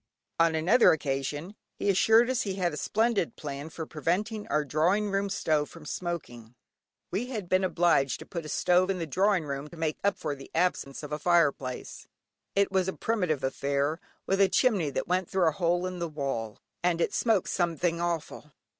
On another occasion, he assured us he had a splendid plan for preventing our drawing room stove from smoking. We had been obliged to put a stove in the drawing room to make up for the absence of a fire place; it was a primitive affair, with a chimney that went through a hole in the wall, and it smoked "somethink hawful."